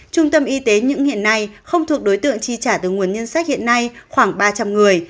trung tâm y tế những hiện nay không thuộc đối tượng chi trả từ nguồn ngân sách hiện nay khoảng ba trăm linh người